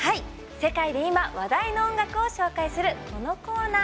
世界で今、話題の音楽を紹介するこのコーナー。